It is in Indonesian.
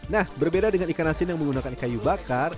nah berbeda dengan ikan asin yang menggunakan kayu bakar